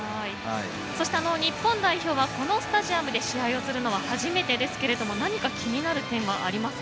そして日本代表はこのスタジアムで試合をするのは初めてですが何か気になる点はありますか？